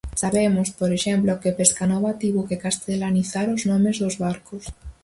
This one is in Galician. Sabemos, por exemplo, que Pescanova tivo que castelanizar os nomes dos barcos.